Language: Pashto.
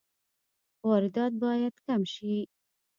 واردات باید کم شي